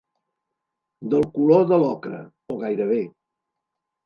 Del color de l'ocre, o gairebé.